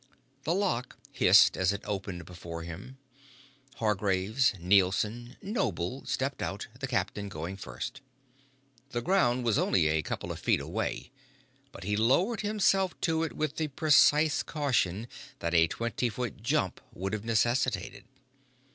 The lock hissed as it opened before him. Hargraves, Nielson, Noble, stepped out, the captain going first. The ground was only a couple of feet away but he lowered himself to it with the precise caution that a twenty foot jump would have necessitated.